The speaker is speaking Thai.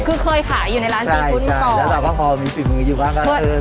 คือเคยขายอยู่ในร้านซีฟู้ดมาก่อนแล้วเราก็พอมีฝีมืออยู่บ้างก็เออ